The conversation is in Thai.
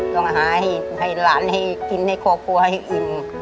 ต้องหาให้หลานให้กินให้ครอบครัวให้อิ่ม